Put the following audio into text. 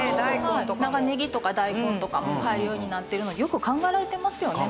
長ねぎとか大根とかも入るようになっているのでよく考えられていますよね。